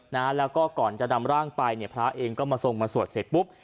นะฮะแล้วก็ก่อนจะนำร่างไปเนี่ยพระเองก็มาทรงมาสวดเสร็จปุ๊บ